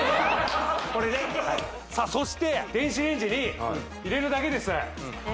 これねさあそして電子レンジに入れるだけです・へえ